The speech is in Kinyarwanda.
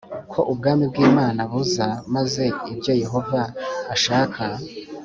ko Ubwami bw Imana buza maze ibyo Yehova ashaka